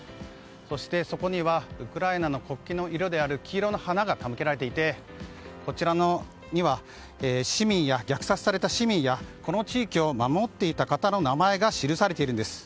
そして、そこにはウクライナの国旗の色である黄色の花が手向けられていてこちらには虐殺された市民やこの地域を守っていた方の名前が記されているんです。